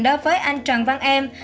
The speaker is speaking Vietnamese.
đối với anh trần văn em